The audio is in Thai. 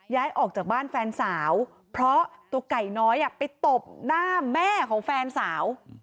ย้ายออกจากบ้านแฟนสาวเพราะตัวไก่น้อยไปตบหน้าแม่ของแฟนสาว